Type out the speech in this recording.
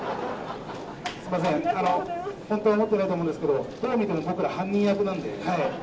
すみません、あの、本当は思ってないと思うんですけど、どう見ても、僕ら犯人役なんで。